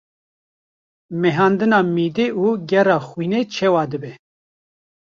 mehandina mîdê û gera xwînê çawa dibe?